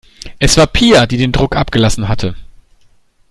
Es war Pia, die den Druck abgelassen hatte.